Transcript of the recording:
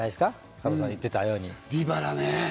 加藤さんが言っていたように。